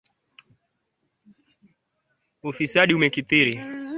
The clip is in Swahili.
hizi wananchi wana mwamko wanajua nini wanachokitaka